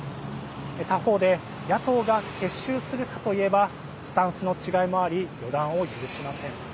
他方で野党が結集するかといえばスタンスの違いもあり予断を許しません。